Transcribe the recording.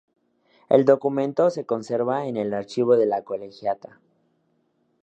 El documento se conserva en el archivo de la colegiata.